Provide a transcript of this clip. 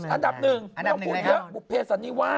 อันดับหนึ่งไม่ต้องพูดเยอะบุเภสันนิวาส